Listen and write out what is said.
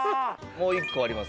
もう一個あります